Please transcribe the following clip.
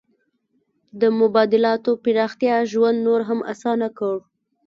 د مبادلاتو پراختیا ژوند نور هم اسانه کړ.